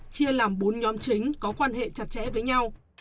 chia làm bốn nhóm chính có quan hệ chặt chẽ với nhau